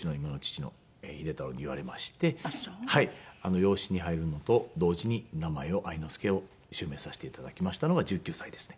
養子に入るのと同時に名前を愛之助を襲名させて頂きましたのが１９歳ですね。